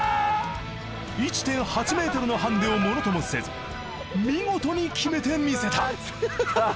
１．８ｍのハンデをものともせず見事に決めてみせた。